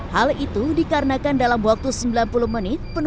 hal itu dikarenakan dalam waktu sembilan puluh menit